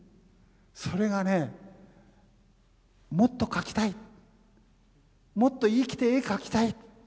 それがねもっと描きたいもっと生きて絵描きたい。